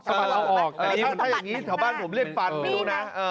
สะบัดเอาออกแต่ถ้าอย่างนี้ถ่าวบ้านผมเรียกฟันดูนะ